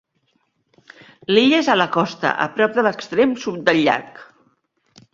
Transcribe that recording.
L'illa és a la costa, a prop de l'extrem sud del llac.